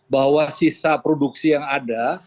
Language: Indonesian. bahwa sisa produksi yang ada